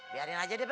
biarin aja deh be